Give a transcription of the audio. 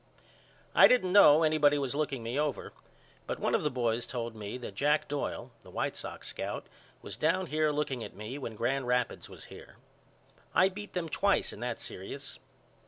I didn't know anybody was looking me over, but one of the boys told me that Jack Doyle the White Sox scout was down here looking at me when Grand Rapids was here. I beat them twice in that serious.